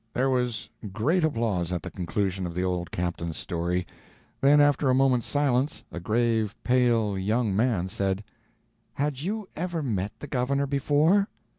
There was great applause at the conclusion of the old captain's story; then, after a moment's silence, a grave, pale young man said: "Had you ever met the governor before?"